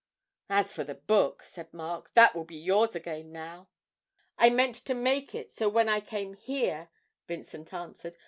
'As for the book,' said Mark, 'that will be yours again now.' 'I meant to make it so when I came here,' Vincent answered.